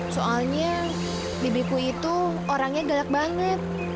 soalnya bibiku itu orangnya galak banget